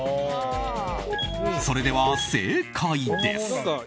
それでは正解です。